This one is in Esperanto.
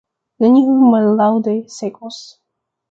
Neniuj mallaŭdoj sekvos.